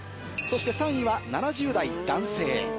そして３位は７０代男性。